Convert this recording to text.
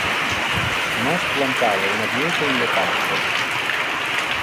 Nos plantava un abiete in le parco.